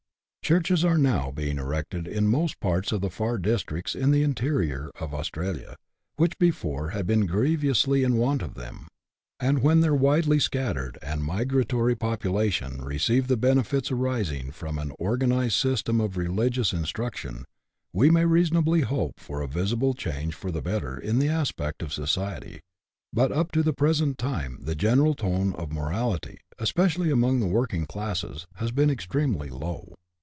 Churches are now being erected in most parts of the far districts in the interior of Australia, which before had been grievously in want of them ; and when their widely scattered and migratory population receive the benefits arising from an organized system of religious instruction, we may reasonably hope for a visible change for the better in the aspect of society, but up to the present time the general tone of morality, especially among the working classes, has been extremely low.